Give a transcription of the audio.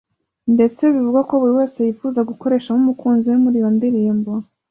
ndetse bivugwa ko buri wese yifuje gukoreshamo umukunzi we muri iyo ndirimbo